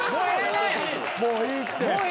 もういいって。